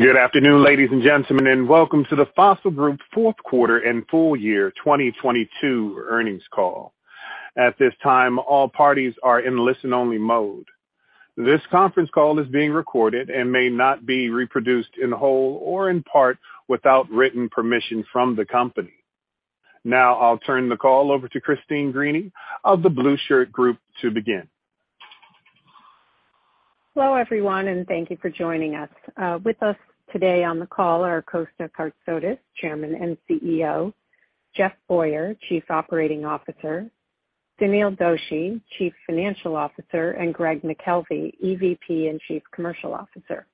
Good afternoon, ladies and gentlemen. Welcome to the Fossil Group Fourth Quarter and Full Year 2022 Earnings Call. At this time, all parties are in listen-only mode. This conference call is being recorded and may not be reproduced in whole or in part without written permission from the company. Now I'll turn the call over to Christine Greany of The Blueshirt Group to begin. Hello, everyone, and thank you for joining us. With us today on the call are Kosta Kartsotis, Chairman and CEO, Jeff Boyer, Chief Operating Officer, Sunil Doshi, Chief Financial Officer, and Greg McKelvey, EVP and Chief Commercial Officer.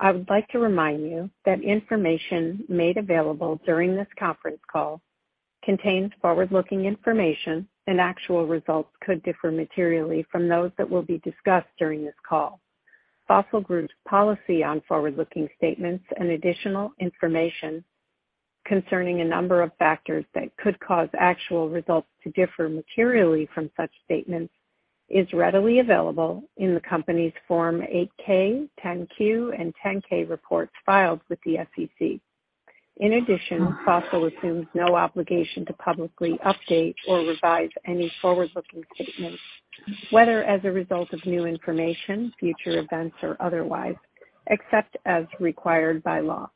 I would like to remind you that information made available during this conference call contains forward-looking information and actual results could differ materially from those that will be discussed during this call. Fossil Group's policy on forward-looking statements and additional information concerning a number of factors that could cause actual results to differ materially from such statements is readily available in the company's Form 8-K, 10-Q, and 10-K reports filed with the SEC. In addition, Fossil assumes no obligation to publicly update or revise any forward-looking statements, whether as a result of new information, future events, or otherwise, except as required by law.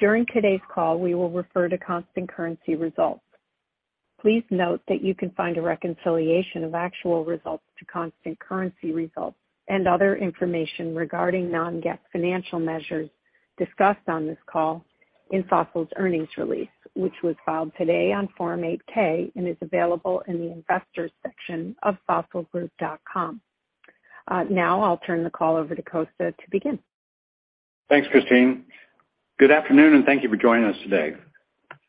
During today's call, we will refer to constant currency results. Please note that you can find a reconciliation of actual results to constant currency results and other information regarding non-GAAP financial measures discussed on this call in Fossil's earnings release, which was filed today on Form 8-K and is available in the investors section of fossilgroup.com. Now I'll turn the call over to Kosta to begin. Thanks, Christine. Good afternoon, thank you for joining us today.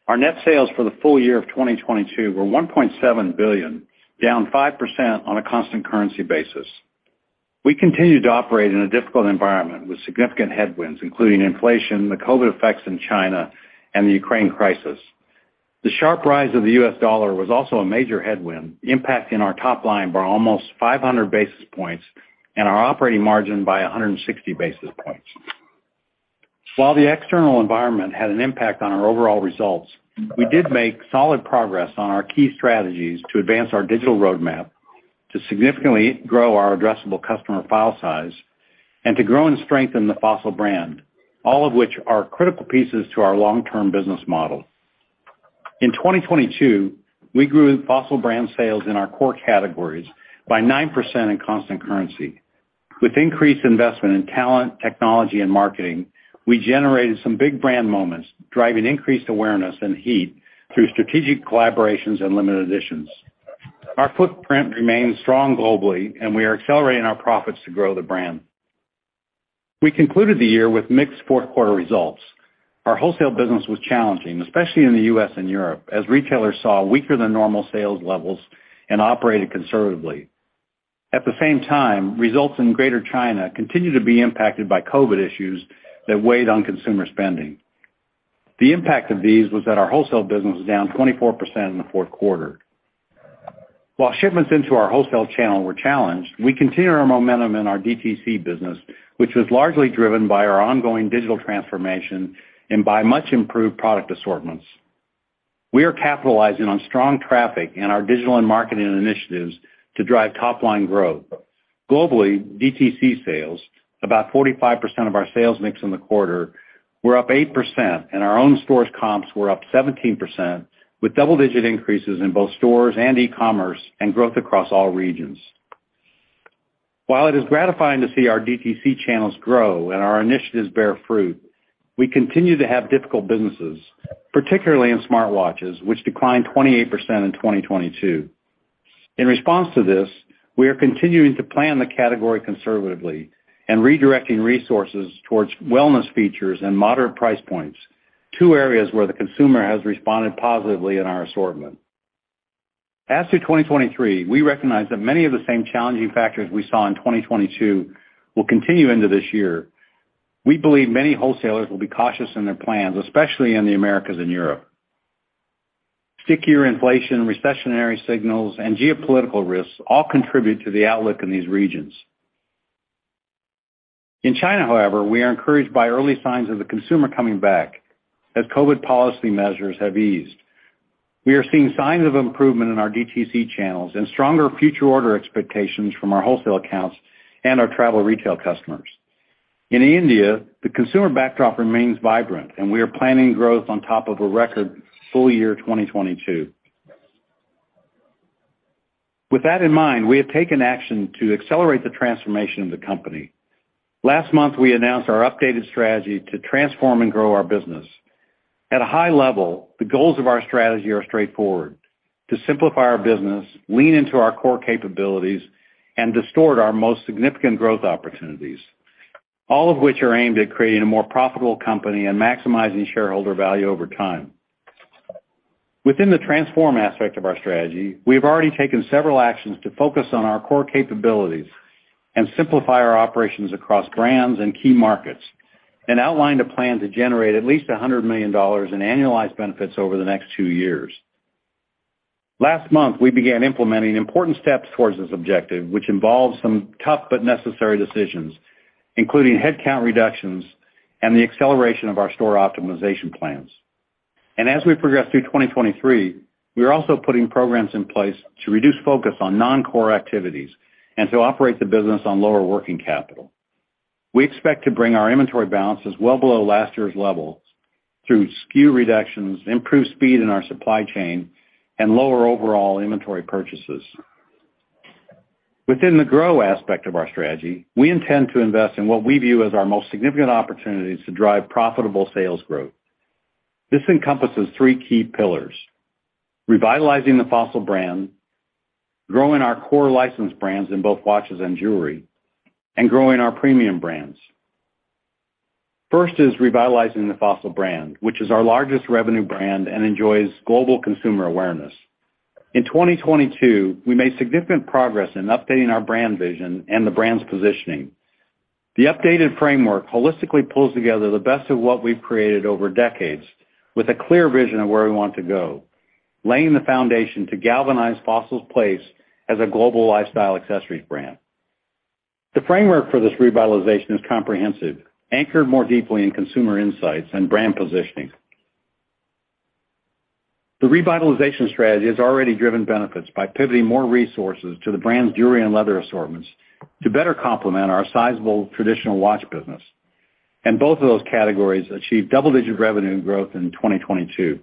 Our net sales for the full year of 2022 were $1.7 billion, down 5% on a constant currency basis. We continue to operate in a difficult environment with significant headwinds, including inflation, the COVID effects in China, and the Ukraine crisis. The sharp rise of the U.S. dollar was also a major headwind, impacting our top line by almost 500 basis points and our operating margin by 160 basis points. While the external environment had an impact on our overall results, we did make solid progress on our key strategies to advance our digital roadmap to significantly grow our addressable customer file size and to grow and strengthen the Fossil brand, all of which are critical pieces to our long-term business model. In 2022, we grew Fossil sales in our core categories by 9% in constant currency. With increased investment in talent, technology, and marketing, we generated some big brand moments, driving increased awareness and heat through strategic collaborations and limited editions. Our footprint remains strong globally, and we are accelerating our profits to grow the brand. We concluded the year with mixed fourth-quarter results. Our wholesale business was challenging, especially in the U.S. and Europe, as retailers saw weaker-than-normal sales levels and operated conservatively. Results in Greater China continued to be impacted by COVID issues that weighed on consumer spending. The impact of these was that our wholesale business was down 24% in the fourth quarter. While shipments into our wholesale channel were challenged, we continue our momentum in our DTC business, which was largely driven by our ongoing digital transformation and by much-improved product assortments. We are capitalizing on strong traffic in our digital and marketing initiatives to drive top-line growth. Globally, DTC sales, about 45% of our sales mix in the quarter, were up 8%, and our own stores comps were up 17%, with double-digit increases in both stores and e-commerce and growth across all regions. While it is gratifying to see our DTC channels grow and our initiatives bear fruit, we continue to have difficult businesses, particularly in smartwatches, which declined 28% in 2022. In response to this, we are continuing to plan the category conservatively and redirecting resources towards wellness features and moderate price points, two areas where the consumer has responded positively in our assortment. As to 2023, we recognize that many of the same challenging factors we saw in 2022 will continue into this year. We believe many wholesalers will be cautious in their plans, especially in the Americas and Europe. Stickier inflation, recessionary signals, and geopolitical risks all contribute to the outlook in these regions. In China, however, we are encouraged by early signs of the consumer coming back as COVID policy measures have eased. We are seeing signs of improvement in our DTC channels and stronger future order expectations from our wholesale accounts and our travel retail customers. In India, the consumer backdrop remains vibrant, and we are planning growth on top of a record full year 2022. With that in mind, we have taken action to accelerate the transformation of the company. Last month, we announced our updated strategy to Transform and Grow our business. At a high level, the goals of our strategy are straightforward: to simplify our business, lean into our core capabilities, and distort our most significant growth opportunities, all of which are aimed at creating a more profitable company and maximizing shareholder value over time. Within the transform aspect of our strategy, we have already taken several actions to focus on our core capabilities and simplify our operations across brands and key markets, and outlined a plan to generate at least $100 million in annualized benefits over the next two years. Last month, we began implementing important steps towards this objective, which involves some tough but necessary decisions, including headcount reductions and the acceleration of our store optimization plans. As we progress through 2023, we are also putting programs in place to reduce focus on non-core activities and to operate the business on lower working capital. We expect to bring our inventory balances well below last year's levels through SKU reductions, improved speed in our supply chain, and lower overall inventory purchases. Within the grow aspect of our strategy, we intend to invest in what we view as our most significant opportunities to drive profitable sales growth. This encompasses three key pillars: revitalizing the Fossil brand, growing our core licensed brands in both watches and jewelry, and growing our premium brands. First is revitalizing the Fossil brand, which is our largest revenue brand and enjoys global consumer awareness. In 2022, we made significant progress in updating our brand vision and the brand's positioning. The updated framework holistically pulls together the best of what we've created over decades with a clear vision of where we want to go, laying the foundation to galvanize Fossil's place as a global lifestyle accessories brand. The framework for this revitalization is comprehensive, anchored more deeply in consumer insights and brand positioning. The revitalization strategy has already driven benefits by pivoting more resources to the brand's jewelry and leather assortments to better complement our sizable traditional watch business. Both of those categories achieved double-digit revenue growth in 2022.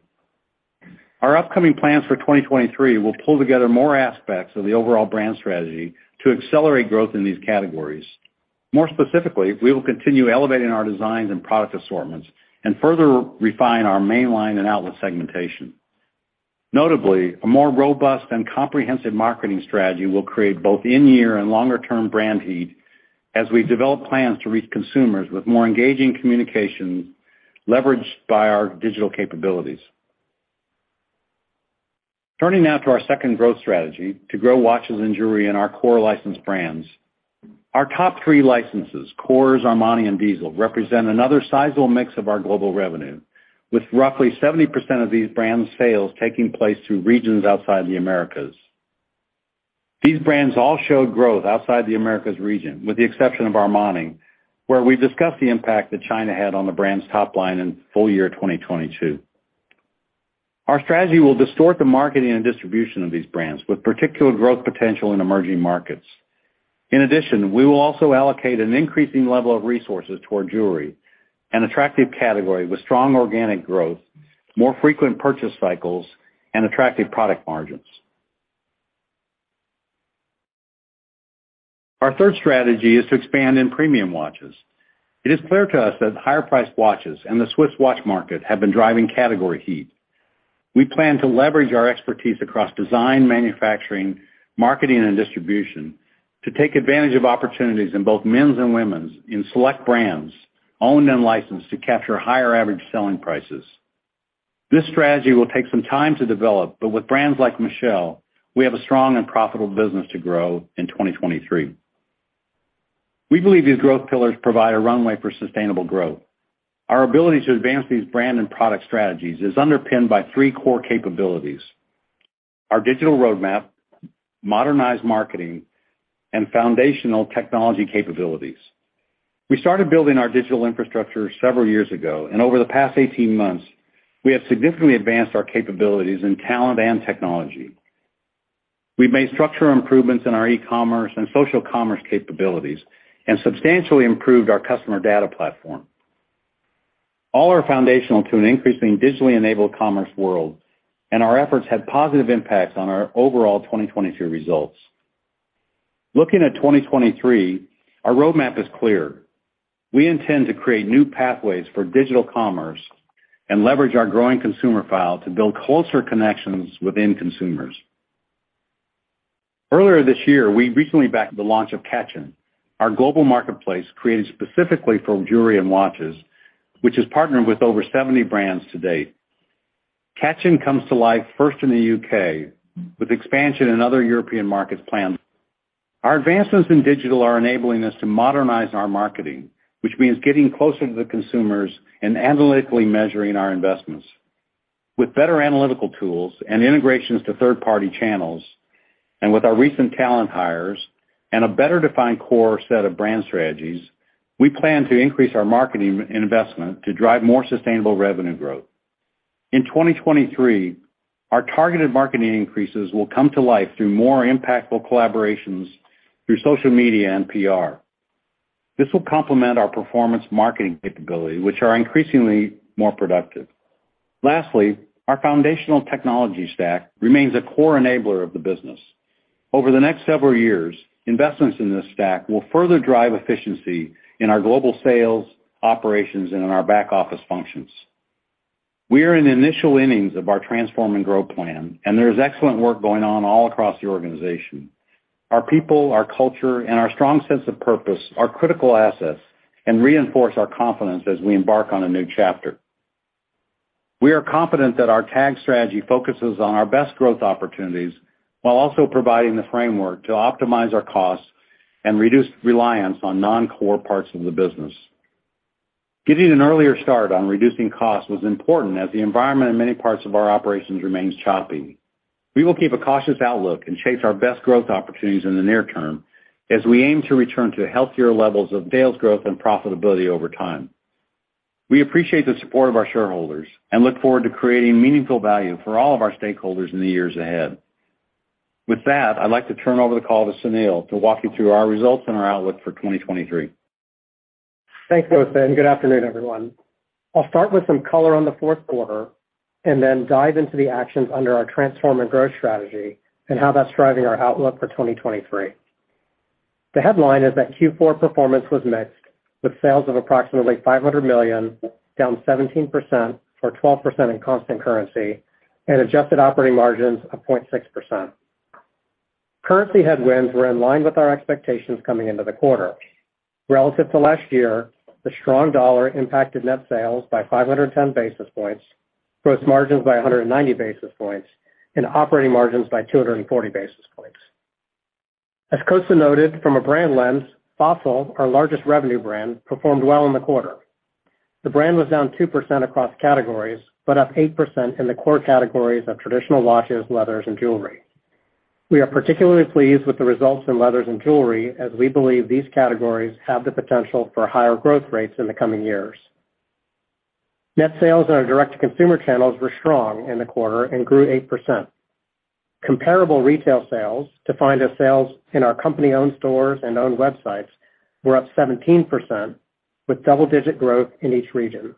Our upcoming plans for 2023 will pull together more aspects of the overall brand strategy to accelerate growth in these categories. More specifically, we will continue elevating our designs and product assortments and further refine our mainline and outlet segmentation. Notably, a more robust and comprehensive marketing strategy will create both in-year and longer-term brand heat as we develop plans to reach consumers with more engaging communication leveraged by our digital capabilities. Turning now to our second growth strategy to grow watches and jewelry in our core licensed brands. Our top three licenses, Kors, Armani, and Diesel, represent another sizable mix of our global revenue, with roughly 70% of these brands' sales taking place through regions outside the Americas. These brands all showed growth outside the Americas region, with the exception of Armani, where we discussed the impact that China had on the brand's top line in FY 2022. Our strategy will distort the marketing and distribution of these brands with particular growth potential in emerging markets. We will also allocate an increasing level of resources toward jewelry, an attractive category with strong organic growth, more frequent purchase cycles, and attractive product margins. Our third strategy is to expand in premium watches. It is clear to us that higher-priced watches and the Swiss watch market have been driving category heat. We plan to leverage our expertise across design, manufacturing, marketing, and distribution to take advantage of opportunities in both men's and women's in select brands, owned and licensed, to capture higher average selling prices. This strategy will take some time to develop, but with brands like MICHELE, we have a strong and profitable business to grow in 2023. We believe these growth pillars provide a runway for sustainable growth. Our ability to advance these brand and product strategies is underpinned by three core capabilities: our digital roadmap, modernized marketing, and foundational technology capabilities. We started building our digital infrastructure several years ago, and over the past 18 months, we have significantly advanced our capabilities in talent and technology. We've made structural improvements in our e-commerce and social commerce capabilities and substantially improved our customer data platform. All are foundational to an increasing digitally enabled commerce world, and our efforts had positive impacts on our overall 2022 results. Looking at 2023, our roadmap is clear. We intend to create new pathways for digital commerce and leverage our growing consumer file to build closer connections within consumers. Earlier this year, we recently backed the launch of Katchin, our global marketplace created specifically for jewelry and watches, which has partnered with over 70 brands to date. Katchin comes to life first in the U.K., with expansion in other European markets planned. Our advancements in digital are enabling us to modernize our marketing, which means getting closer to the consumers and analytically measuring our investments. With better analytical tools and integrations to third-party channels, with our recent talent hires and a better-defined core set of brand strategies, we plan to increase our marketing investment to drive more sustainable revenue growth. In 2023, our targeted marketing increases will come to life through more impactful collaborations through social media and PR. This will complement our performance marketing capability, which are increasingly more productive. Lastly, our foundational technology stack remains a core enabler of the business. Over the next several years, investments in this stack will further drive efficiency in our global sales, operations, and in our back-office functions. We are in initial innings of our Transform and Grow plan, there is excellent work going on all across the organization. Our people, our culture, and our strong sense of purpose are critical assets and reinforce our confidence as we embark on a new chapter. We are confident that our TAG strategy focuses on our best growth opportunities while also providing the framework to optimize our costs and reduce reliance on non-core parts of the business. Getting an earlier start on reducing costs was important as the environment in many parts of our operations remains choppy. We will keep a cautious outlook and chase our best growth opportunities in the near term as we aim to return to healthier levels of sales growth and profitability over time. We appreciate the support of our shareholders and look forward to creating meaningful value for all of our stakeholders in the years ahead. With that, I'd like to turn over the call to Sunil to walk you through our results and our outlook for 2023. Thanks, Kosta. Good afternoon, everyone. I'll start with some color on the fourth quarter and then dive into the actions under our Transform and Grow strategy and how that's driving our outlook for 2023. The headline is that Q4 performance was mixed, with sales of approximately $500 million, down 17% or 12% in constant currency, and adjusted operating margins of 0.6%. Currency headwinds were in line with our expectations coming into the quarter. Relative to last year, the strong dollar impacted net sales by 510 basis points, gross margins by 190 basis points, and operating margins by 240 basis points. As Kosta noted, from a brand lens, Fossil, our largest revenue brand, performed well in the quarter. The brand was down 2% across categories, but up 8% in the core categories of traditional watches, leathers, and jewelry. We are particularly pleased with the results in leathers and jewelry, as we believe these categories have the potential for higher growth rates in the coming years. Net sales in our direct-to-consumer channels were strong in the quarter and grew 8%. Comparable retail sales, defined as sales in our company-owned stores and owned websites, were up 17%, with double-digit growth in each region.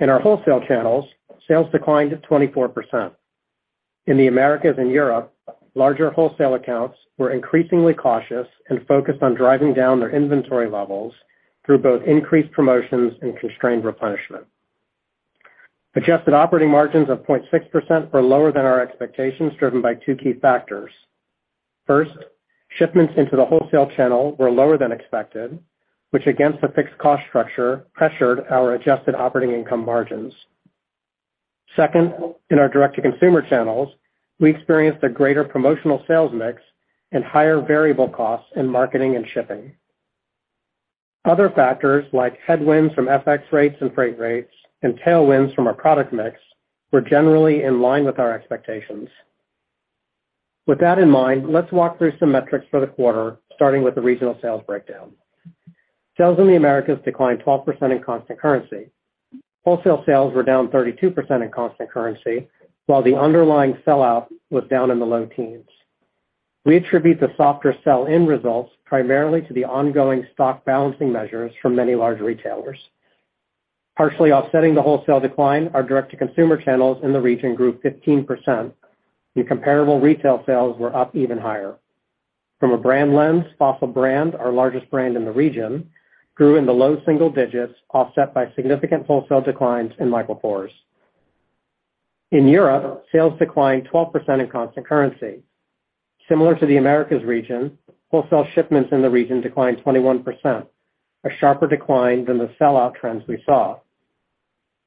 In our wholesale channels, sales declined 24%. In the Americas and Europe, larger wholesale accounts were increasingly cautious and focused on driving down their inventory levels through both increased promotions and constrained replenishment. Adjusted operating margins of 0.6% were lower than our expectations, driven by two key factors. First, shipments into the wholesale channel were lower than expected, which against a fixed cost structure pressured our adjusted operating income margins. Second, in our direct-to-consumer channels, we experienced a greater promotional sales mix and higher variable costs in marketing and shipping. Other factors like headwinds from FX rates and freight rates and tailwinds from our product mix were generally in line with our expectations. With that in mind, let's walk through some metrics for the quarter, starting with the regional sales breakdown. Sales in the Americas declined 12% in constant currency. Wholesale sales were down 32% in constant currency, while the underlying sell-out was down in the low teens. We attribute the softer sell-in results primarily to the ongoing stock balancing measures from many large retailers. Partially offsetting the wholesale decline, our direct-to-consumer channels in the region grew 15%, and comparable retail sales were up even higher. From a brand lens, Fossil brand, our largest brand in the region, grew in the low single digits, offset by significant wholesale declines in Michael Kors. In Europe, sales declined 12% in constant currency. Similar to the Americas region, wholesale shipments in the region declined 21%, a sharper decline than the sellout trends we saw.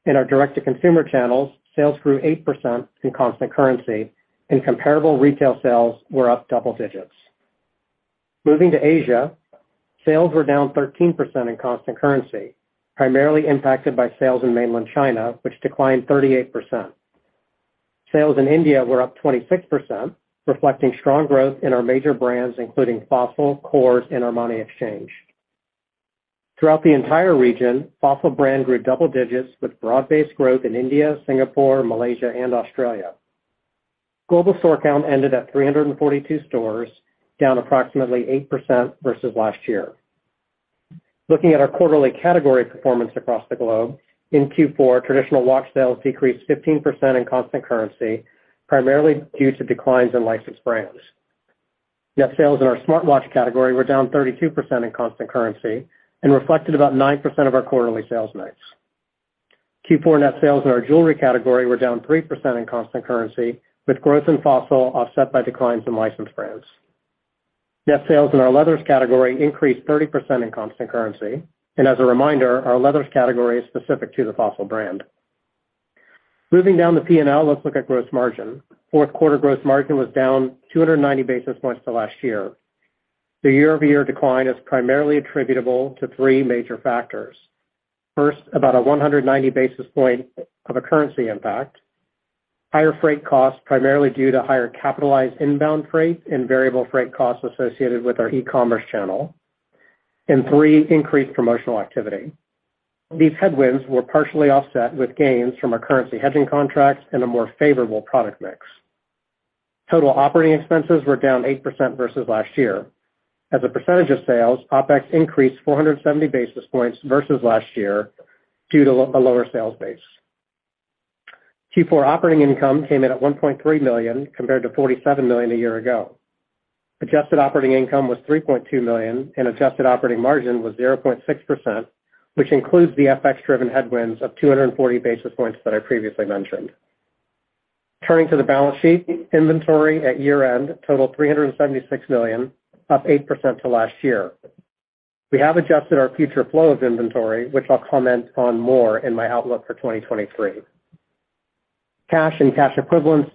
In our direct-to-consumer channels, sales grew 8% in constant currency, and comparable retail sales were up double digits. Moving to Asia, sales were down 13% in constant currency, primarily impacted by sales in mainland China, which declined 38%. Sales in India were up 26%, reflecting strong growth in our major brands, including Fossil, Kors, and Armani Exchange. Throughout the entire region, Fossil brand grew double digits with broad-based growth in India, Singapore, Malaysia, and Australia. Global store count ended at 342 stores, down approximately 8% versus last year. Looking at our quarterly category performance across the globe, in Q4, traditional watch sales decreased 15% in constant currency, primarily due to declines in licensed brands. Net sales in our smartwatch category were down 32% in constant currency and reflected about 9% of our quarterly sales mix. Q4 net sales in our jewelry category were down 3% in constant currency, with growth in Fossil offset by declines in licensed brands. Net sales in our leathers category increased 30% in constant currency. As a reminder, our leathers category is specific to the Fossil brand. Moving down the P&L, let's look at gross margin. Fourth quarter gross margin was down 290 basis points to last year. The year-over-year decline is primarily attributable to three major factors. First, about a 190 basis point of a currency impact. Higher freight costs, primarily due to higher capitalized inbound freight and variable freight costs associated with our e-commerce channel. Three, increased promotional activity. These headwinds were partially offset with gains from our currency hedging contracts and a more favorable product mix. Total operating expenses were down 8% versus last year. As a percentage of sales, OpEx increased 470 basis points versus last year due to a lower sales base. Q4 operating income came in at $1.3 million, compared to $47 million a year ago. Adjusted operating income was $3.2 million, adjusted operating margin was 0.6%, which includes the FX-driven headwinds of 240 basis points that I previously mentioned. Turning to the balance sheet, inventory at year-end totaled $376 million, up 8% to last year. We have adjusted our future flow of inventory, which I'll comment on more in my outlook for 2023. Cash and cash equivalents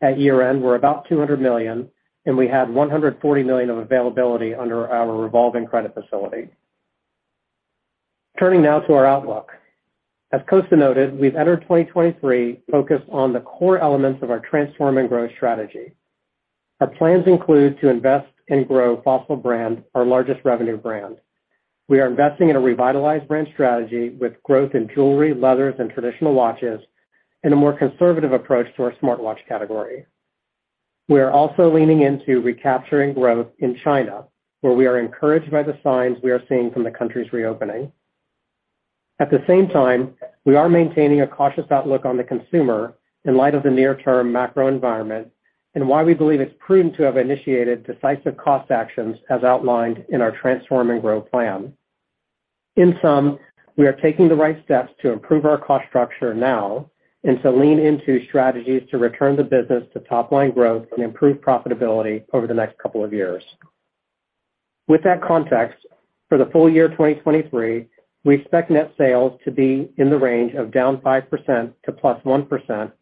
at year-end were about $200 million, we had $140 million of availability under our revolving credit facility. Turning now to our outlook. As Kosta noted, we've entered 2023 focused on the core elements of our Transform and Grow strategy. Our plans include to invest and grow Fossil brand, our largest revenue brand. We are investing in a revitalized brand strategy with growth in jewelry, leathers, and traditional watches, and a more conservative approach to our smartwatch category. We are also leaning into recapturing growth in China, where we are encouraged by the signs we are seeing from the country's reopening. At the same time, we are maintaining a cautious outlook on the consumer in light of the near-term macro environment and why we believe it's prudent to have initiated decisive cost actions as outlined in our Transform and Grow plan. In sum, we are taking the right steps to improve our cost structure now and to lean into strategies to return the business to top-line growth and improve profitability over the next couple of years. With that context, for the full year 2023, we expect net sales to be in the range of down 5% to +1%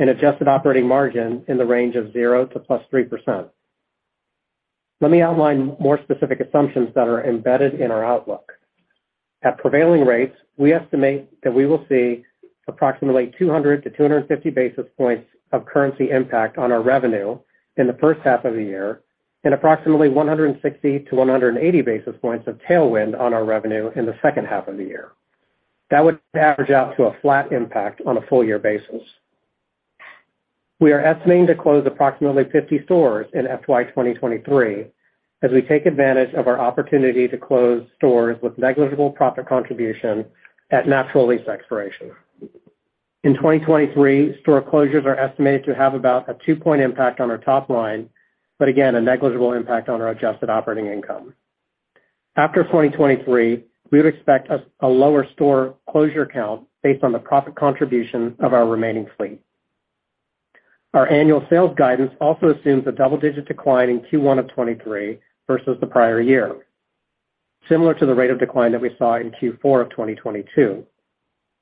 and adjusted operating margin in the range of 0% to +3%. Let me outline more specific assumptions that are embedded in our outlook. At prevailing rates, we estimate that we will see approximately 200-250 basis points of currency impact on our revenue in the first half of the year and approximately 160-180 basis points of tailwind on our revenue in the second half of the year. That would average out to a flat impact on a full-year basis. We are estimating to close approximately 50 stores in FY 2023 as we take advantage of our opportunity to close stores with negligible profit contribution at natural lease expiration. In 2023, store closures are estimated to have about a two-point impact on our top line, again, a negligible impact on our adjusted operating income. After 2023, we would expect a lower store closure count based on the profit contribution of our remaining fleet. Our annual sales guidance also assumes a double-digit decline in Q1 of 23 versus the prior year, similar to the rate of decline that we saw in Q4 of 2022.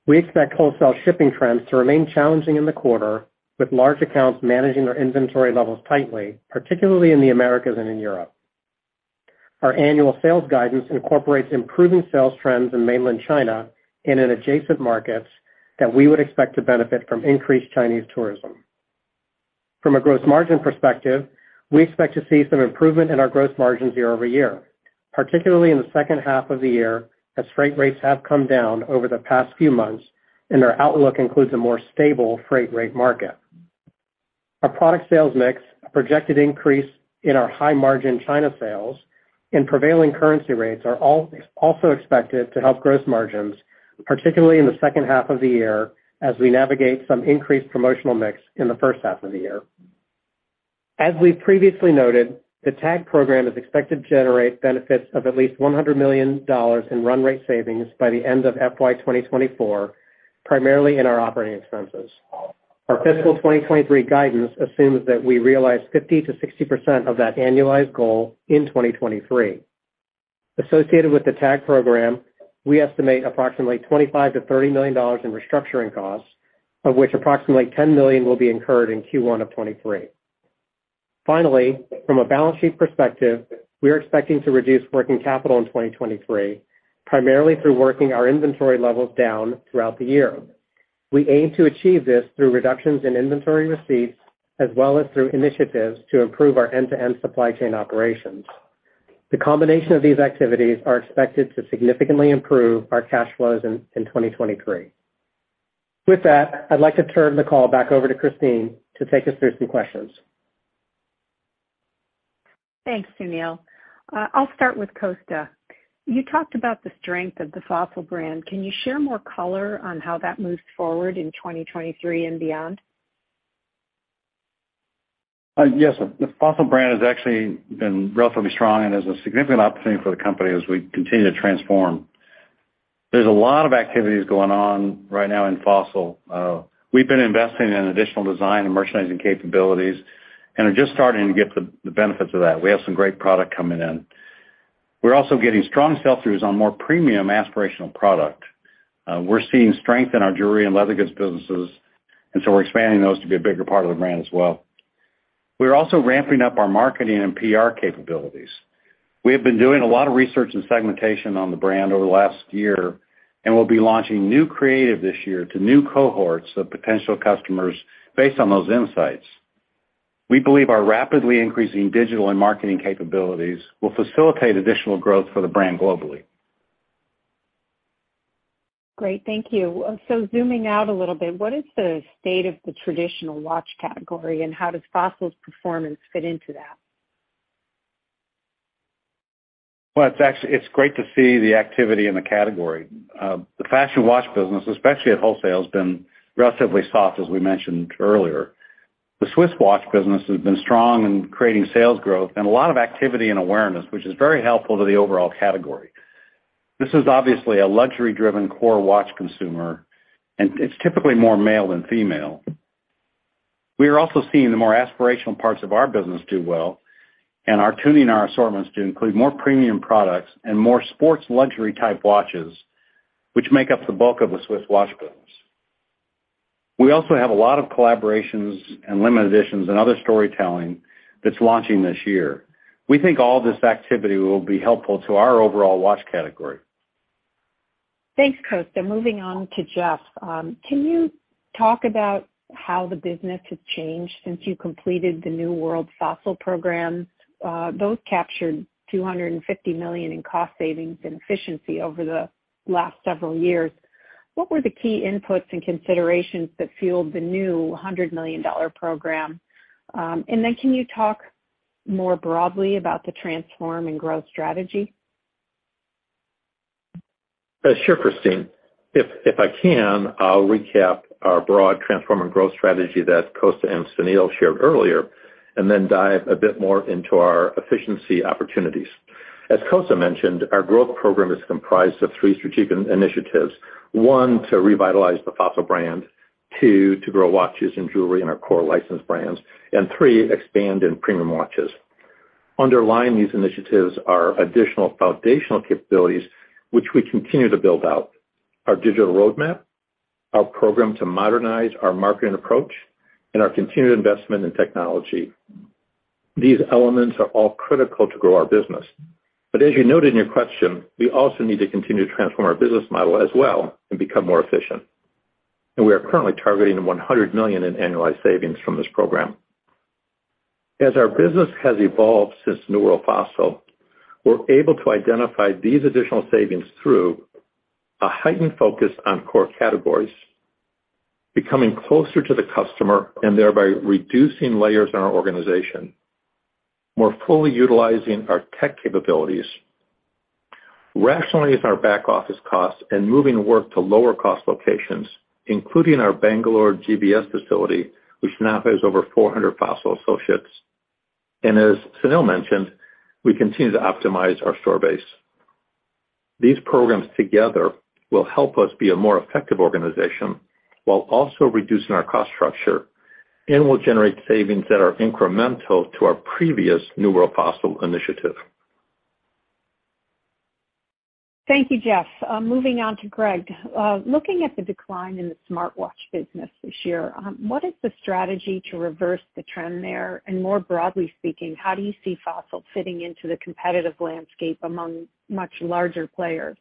We expect wholesale shipping trends to remain challenging in the quarter, with large accounts managing their inventory levels tightly, particularly in the Americas and in Europe. Our annual sales guidance incorporates improving sales trends in Mainland China and in adjacent markets that we would expect to benefit from increased Chinese tourism. From a gross margin perspective, we expect to see some improvement in our gross margins year-over-year, particularly in the second half of the year, as freight rates have come down over the past few months, and our outlook includes a more stable freight rate market. Our product sales mix, a projected increase in our high-margin China sales, and prevailing currency rates are also expected to help gross margins, particularly in the second half of the year as we navigate some increased promotional mix in the first half of the year. As we previously noted, the TAG program is expected to generate benefits of at least $100 million in run-rate savings by the end of FY 2024, primarily in our operating expenses. Our fiscal 2023 guidance assumes that we realize 50%-60% of that annualized goal in 2023. Associated with the TAG program, we estimate approximately $25 million to $30 million in restructuring costs, of which approximately $10 million will be incurred in Q1 of 2023. Finally, from a balance sheet perspective, we are expecting to reduce working capital in 2023, primarily through working our inventory levels down throughout the year. We aim to achieve this through reductions in inventory receipts as well as through initiatives to improve our end-to-end supply chain operations. The combination of these activities is expected to significantly improve our cash flows in 2023. With that, I'd like to turn the call back over to Christine to take us through some questions. Thanks, Sunil. I'll start with Kosta. You talked about the strength of the Fossil brand. Can you share more color on how that moves forward in 2023 and beyond? Yes. The Fossil brand has actually been relatively strong and is a significant opportunity for the company as we continue to transform. There's a lot of activities going on right now in Fossil. We've been investing in additional design and merchandising capabilities and are just starting to get the benefits of that. We have some great products coming in. We're also getting strong sell-throughs on more premium, aspirational products. We're seeing strength in our jewelry and leather goods businesses, and so we're expanding those to be a bigger part of the brand as well. We are also ramping up our marketing and PR capabilities. We have been doing a lot of research and segmentation on the brand over the last year, and we'll be launching new creative this year to new cohorts of potential customers based on those insights. We believe our rapidly increasing digital and marketing capabilities will facilitate additional growth for the brand globally. Great. Thank you. Zooming out a little bit, what is the state of the traditional watch category, and how does Fossil's performance fit into that? Well, it's great to see the activity in the category. The fashion watch business, especially at wholesale, has been relatively soft, as we mentioned earlier. The Swiss watch business has been strong in creating sales growth and a lot of activity and awareness, which is very helpful to the overall category. This is obviously a luxury-driven core watch consumer, and it's typically more male than female. We are also seeing the more aspirational parts of our business do well, and are tuning our assortments to include more premium products and more sports luxury type watches, which make up the bulk of the Swiss watch business. We also have a lot of collaborations, and limited editions, and other storytelling that's launching this year. We think all this activity will be helpful to our overall watch category. Thanks, Kosta. Moving on to Jeff. Can you talk about how the business has changed since you completed the New World Fossil program? Those captured $250 million in cost savings and efficiency over the last several years. What were the key inputs and considerations that fueled the new $100 million program? Can you talk more broadly about the Transform and Grow strategy? Sure, Christine. If I can, I'll recap our broad Transform and Grow strategy that Kosta Kartsotis and Sunil shared earlier, and then dive a bit more into our efficiency opportunities. As Kosta Kartsotis mentioned, our growth program is comprised of three strategic initiatives. One, to revitalize the Fossil brand. Two, to grow watches and jewelry in our core licensed brands. And three, expand in premium watches. Underlying these initiatives are additional foundational capabilities which we continue to build out, our digital roadmap, our program to modernize our marketing approach, and our continued investment in technology. These elements are all critical to grow our business. But as you noted in your question, we also need to continue to transform our business model as well and become more efficient. And we are currently targeting $100 million in annualized savings from this program. As our business has evolved since New World Fossil, we're able to identify these additional savings through a heightened focus on core categories, becoming closer to the customer and thereby reducing layers in our organization, more fully utilizing our tech capabilities, rationalizing our back-office costs, and moving work to lower cost locations, including our Bangalore GBS facility, which now has over 400 Fossil associates. As Sunil mentioned, we continue to optimize our store base. These programs together will help us be a more effective organization while also reducing our cost structure, and will generate savings that are incremental to our previous New World Fossil initiative. Thank you, Jeff. Moving on to Greg. Looking at the decline in the smartwatch business this year, what is the strategy to reverse the trend there? More broadly speaking, how do you see Fossil fitting into the competitive landscape among much larger players?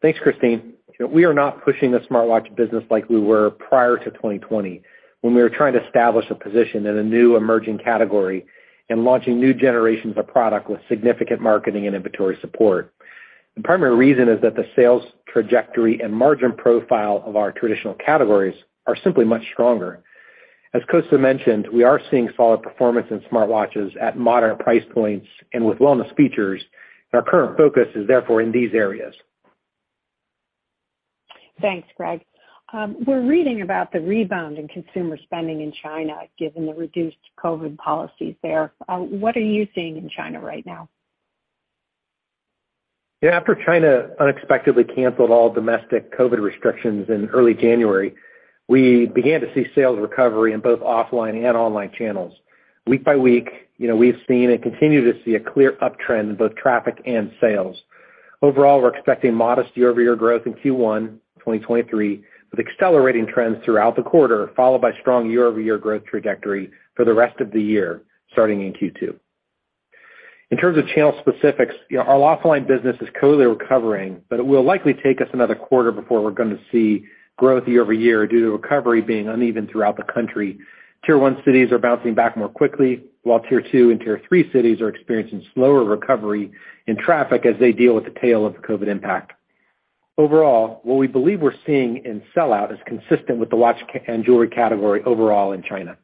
Thanks, Christine. We are not pushing the smartwatch business like we were prior to 2020, when we were trying to establish a position in a new emerging category and launching new generations of products with significant marketing and inventory support. The primary reason is that the sales trajectory and margin profile of our traditional categories are simply much stronger. As Kosta mentioned, we are seeing solid performance in smartwatches at moderate price points and with wellness features. Our current focus is therefore in these areas. Thanks, Greg. We're reading about the rebound in consumer spending in China, given the reduced COVID policies there. What are you seeing in China right now? After China unexpectedly canceled all domestic COVID restrictions in early January, we began to see sales recovery in both offline and online channels. Week by week, we've seen and continue to see a clear uptrend in both traffic and sales. Overall, we're expecting modest year-over-year growth in Q1 2023, with accelerating trends throughout the quarter, followed by a strong year-over-year growth trajectory for the rest of the year, starting in Q2. In terms of channel specifics, our offline business is clearly recovering, but it will likely take us another quarter before we're gonna see growth year-over-year due to recovery being uneven throughout the country. Tier 1 cities are bouncing back more quickly, while Tier 2 and Tier 3 cities are experiencing slower recovery in traffic as they deal with the tail of the COVID impact. Overall, what we believe we're seeing in sellout is consistent with the watch and jewelry category overall in China.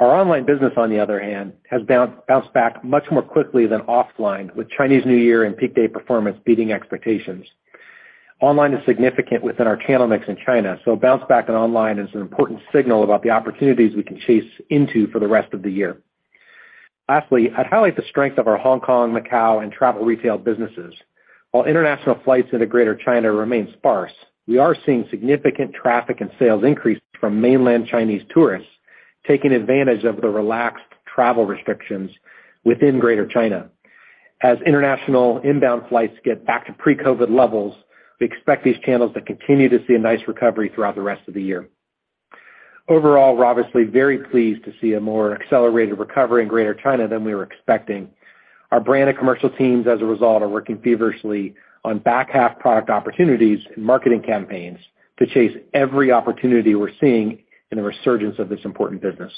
Our online business, on the other hand, has bounced back much more quickly than offline, with Chinese New Year and peak day performance beating expectations. Online is significant within our channel mix in China, so a bounce back in online is an important signal about the opportunities we can chase for the rest of the year. I'd highlight the strength of our Hong Kong, Macau, and travel retail businesses. While international flights into Greater China remain sparse, we are seeing significant traffic and sales increases from mainland Chinese tourists taking advantage of the relaxed travel restrictions within Greater China. As international inbound flights get back to pre-COVID levels, we expect these channels to continue to see a nice recovery throughout the rest of the year. Overall, we're obviously very pleased to see a more accelerated recovery in Greater China than we were expecting. Our brand and commercial teams, as a result, are working feverishly on back-half product opportunities and marketing campaigns to chase every opportunity we're seeing in the resurgence of this important business.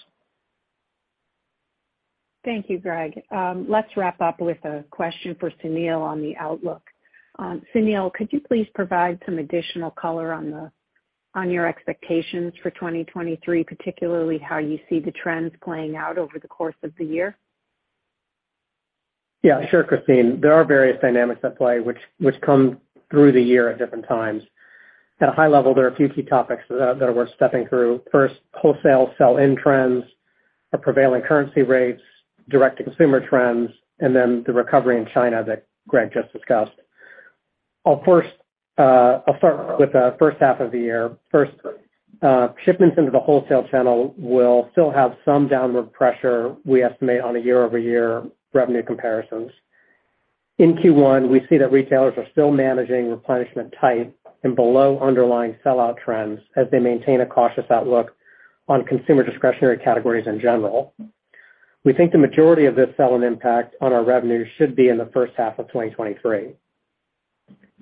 Thank you, Greg. Let's wrap up with a question for Sunil on the outlook. Sunil, could you please provide some additional color on your expectations for 2023, particularly how you see the trends playing out over the course of the year? Sure, Christine. There are various dynamics at play that come through the year at different times. At a high level, there are a few key topics that we're stepping through. First, wholesale sell-in trends, the prevailing currency rates, direct-to-consumer trends, and then the recovery in China that Greg just discussed. I'll start with the first half of the year. First, shipments into the wholesale channel will still have some downward pressure, we estimate, on year-over-year revenue comparisons. In Q1, we see that retailers are still managing replenishment tight and below underlying sellout trends as they maintain a cautious outlook on consumer discretionary categories in general. We think the majority of this sell-in impact on our revenue should be in the first half of 2023.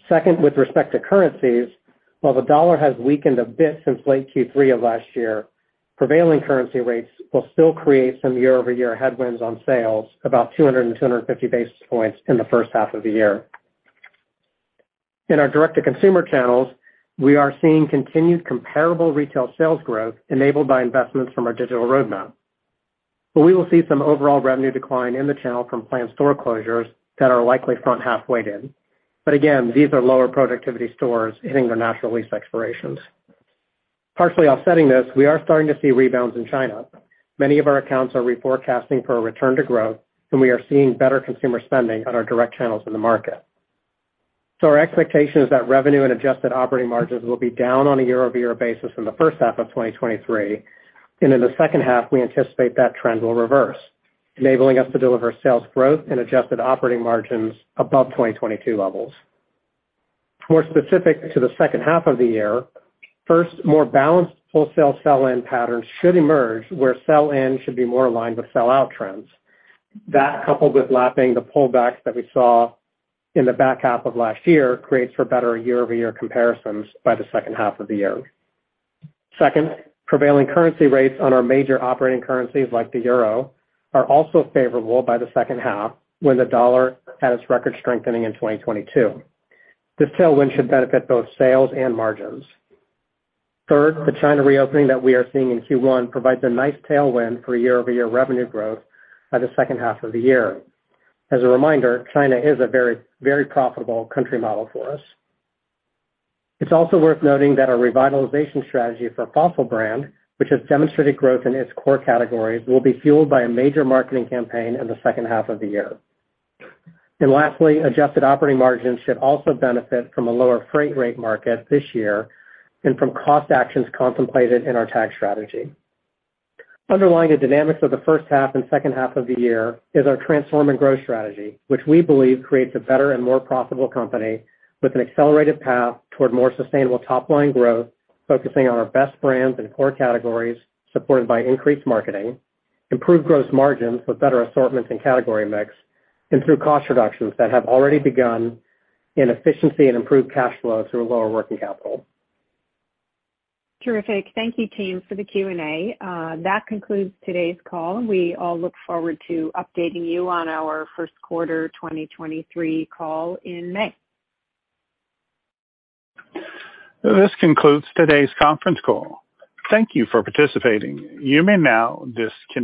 Second, with respect to currencies, while the dollar has weakened a bit since late Q3 of last year, prevailing currency rates will still create some year-over-year headwinds on sales, about 200-250 basis points in the first half of the year. In our direct-to-consumer channels, we are seeing continued comparable retail sales growth enabled by investments from our digital roadmap. We will see some overall revenue decline in the channel from planned store closures that are likely front-half weighted. Again, these are lower productivity stores hitting their natural lease expirations. Partially offsetting this, we are starting to see rebounds in China. Many of our accounts are reforecasting for a return to growth, and we are seeing better consumer spending on our direct channels in the market. Our expectation is that revenue and adjusted operating margins will be down on a year-over-year basis in the first half of 2023, and in the second half, we anticipate that trend will reverse, enabling us to deliver sales growth and adjusted operating margins above 2022 levels. More specifically, to the second half of the year, first, more balanced wholesale sell-in patterns should emerge, where sell-in should be more aligned with sellout trends. That, coupled with lapping the pullbacks that we saw in the back half of last year, creates for better year-over-year comparisons by the second half of the year. Second, prevailing currency rates on our major operating currencies, like the Euro, are also favorable by the second half, when the dollar had its record strengthening in 2022. This tailwind should benefit both sales and margins. The China reopening that we are seeing in Q1 provides a nice tailwind for year-over-year revenue growth by the second half of the year. As a reminder, China is a very, very profitable country model for us. It's also worth noting that our revitalization strategy for Fossil brand, which has demonstrated growth in its core categories, will be fueled by a major marketing campaign in the second half of the year. Lastly, adjusted operating margins should also benefit from a lower freight rate market this year and from cost actions contemplated in our TAG strategy. Underlying the dynamics of the first half and second half of the year is our Transform and Grow strategy, which we believe creates a better and more profitable company with an accelerated path toward more sustainable top-line growth, focusing on our best brands and core categories, supported by increased marketing, improved gross margins with better assortments and category mix, and through cost reductions that have already begun in efficiency and improved cash flow through lower working capital. Terrific. Thank you, team, for the Q&A. That concludes today's call. We all look forward to updating you on our First Quarter 2023 Call in May. This concludes today's conference call. Thank you for participating. You may now disconnect.